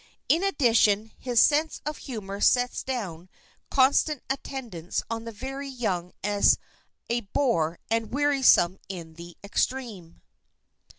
In addition, his sense of humor sets down constant attendance on the very young as a bore and wearisome in the extreme.